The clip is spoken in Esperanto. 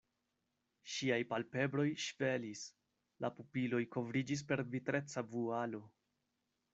Ŝiaj palpebroj ŝvelis, la pupiloj kovriĝis per vitreca vualo.